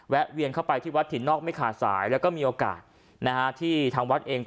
เวียนเข้าไปที่วัดถิ่นนอกไม่ขาดสายแล้วก็มีโอกาสนะฮะที่ทางวัดเองก็